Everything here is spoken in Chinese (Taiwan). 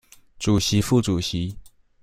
主席副主席